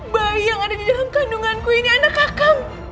bayi yang ada di dalam kandunganku ini anak kakamu